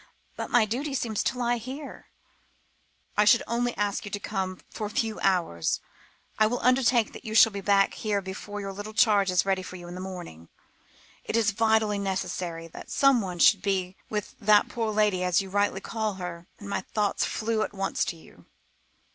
But, my duty seems to lie here." "I should only ask you to come for a few hours. I will undertake that you shall be back here before your little charge is ready for you in the morning. It is vitally necessary that someone should be with 'that poor lady,' as you rightly call her, and my thoughts flew at once to you."